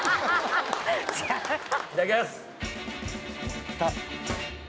いただきます